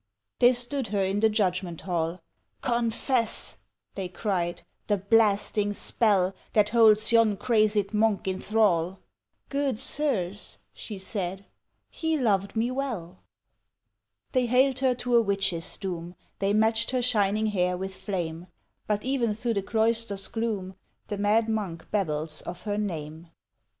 They stood her in the judgment hall. "Confess," they cried, "the blasting spell That holds yon crazed monk in thrall?" "Good sirs," she said, "he loved me well." They haled her to a witch's doom, They matched her shining hair with flame But ever through the cloister's gloom The mad monk babbles of her name!